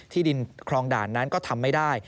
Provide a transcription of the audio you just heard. ดินคลองด่านนั้นก็ทำไม่ได้